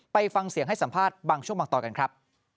ไปฟังเสียงให้สัมภาษณ์บางช่วงบางตอนกันครับ